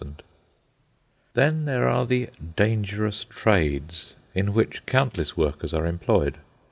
4 Then there are the "dangerous trades," in which countless workers are employed.